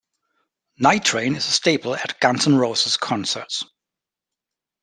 "Nightrain" is a staple at Guns N' Roses concerts.